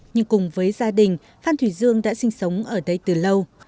nhưng cùng với gia đình phan thủy dương đã sinh sống ở đây từ lâu